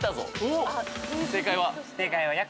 正解は？